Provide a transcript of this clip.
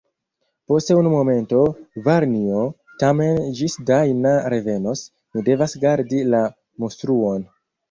Post unu momento, varnjo; tamen ĝis Dajna revenos, mi devas gardi la mustruon.